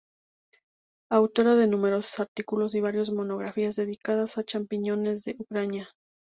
Autora de numerosos artículos y varios monografías dedicadas a champiñones de Ucrania.